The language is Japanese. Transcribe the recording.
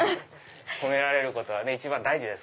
褒められることは一番大事です。